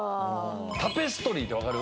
タペストリーってわかる？